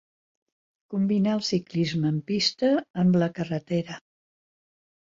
Combinà el ciclisme en pista amb la carretera.